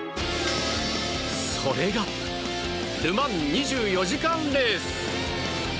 それがル・マン２４時間レース。